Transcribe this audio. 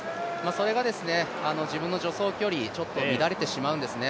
それが自分の助走距離、ちょっと乱れてしまうんですね。